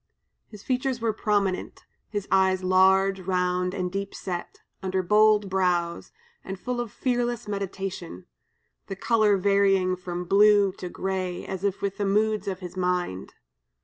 His features were prominent, his eyes large, round, and deep set, under bold brows, and full of fearless meditation; the color varying from blue to gray, as if with the moods of his mind.